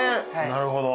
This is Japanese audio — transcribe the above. なるほど。